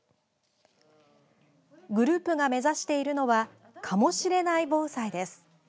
グループが目指しているのは「かもしれない防災」です。